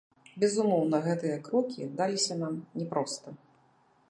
Безумоўна, гэтыя крокі даліся нам няпроста.